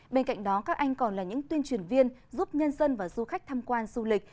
bên cạnh đó các anh còn là những tuyên truyền viên giúp nhân dân và du khách tham quan du lịch